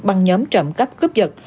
bằng nhóm trậm cấp cướp dật